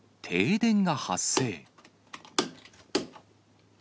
停電が発生。